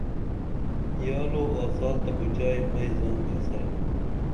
یالو آڅال تہ پُچائی مئی زان کھسرم